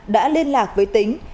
đã liên lạc với tỉnh